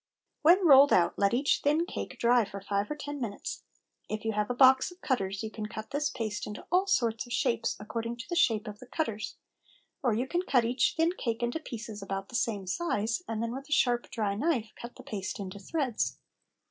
When rolled out, let each thin cake dry for five or ten minutes. If you have a box of cutters you can cut this paste into all sorts of shapes according to the shape of the cutters, or you can cut each thin cake into pieces about the same size, and then with a sharp dry knife cut the paste into threads.